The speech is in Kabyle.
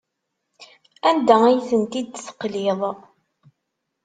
Anda ay tent-id-teqliḍ?